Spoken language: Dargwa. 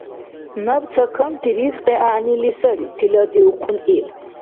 — Наб цакамти ризкьи гӏягӏнили сари, — тиладиухъун ил.